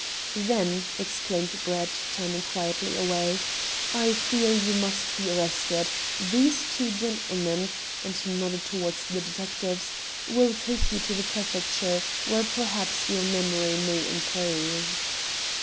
"Then," exclaimed Brett, turning quietly away, "I fear you must be arrested. These two gentlemen" and he nodded towards the detectives "will take you to the Prefecture, where perhaps your memory may improve."